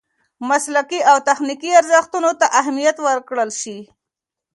مسلکي او تخنیکي ارزښتونو ته اهمیت ورکړل شي.